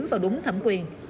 và đúng thẩm quyền